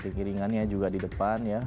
kiri kiringannya juga di depan ya